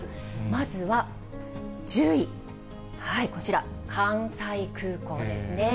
まずは１０位、こちら、関西空港ですね。